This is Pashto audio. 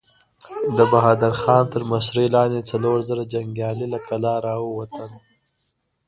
د بهادر خان تر مشرۍ لاندې څلور زره جنګيالي له کلا را ووتل.